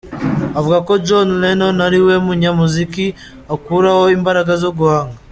Avuga ko John Lennon ariwe munyamuzika akuraho imbaraga zo guhanga.